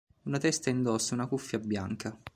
In testa indossa una cuffia bianca.